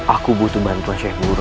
aku butuh bantuan cek guru